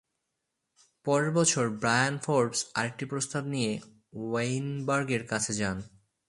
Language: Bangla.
পরের বছর ব্রায়ান ফোর্বস আরেকটি প্রস্তাব নিয়ে ওয়েইনবার্গের কাছে যান।